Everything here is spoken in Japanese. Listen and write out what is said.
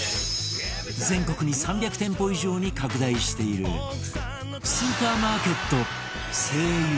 全国に３００店舗以上に拡大しているスーパーマーケット ＳＥＩＹＵ